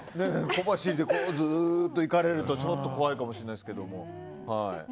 小走りでずっといかれると怖いかもしれないですけど。